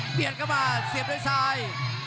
เบียดเข้ามาเสียบด้วยซ้าย